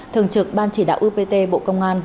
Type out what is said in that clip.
thường trực ban chỉ đạo upt bộ công an